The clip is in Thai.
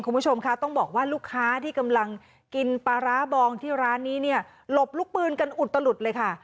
คุณผู้ชมคะต้องบอกว่าลูกค้าที่กำลังกินปลาร้าบองที่ร้านนี้เนี่ยหลบลูกปืนกันอุตลุดเลยค่ะ